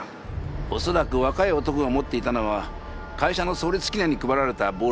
おそらく若い男が持っていたのは会社の創立記念に配られたボールペンだと思います。